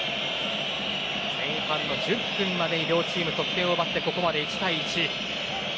前半の１０分までで両チーム得点を奪ってここまで１対１。